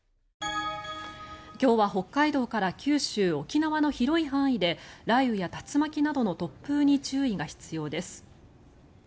今日は北海道から九州、沖縄の広い範囲で雷雨や竜巻などの突風に注意が必要です。